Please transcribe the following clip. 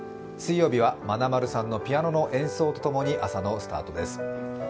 水曜日は、まなまるさんのピアノの演奏とともに朝のスタートです。